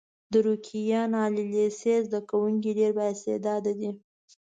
د روکيان عالي لیسې زده کوونکي ډېر با استعداده دي.